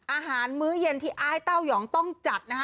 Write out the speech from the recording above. มื้อเย็นที่อ้ายเต้ายองต้องจัดนะคะ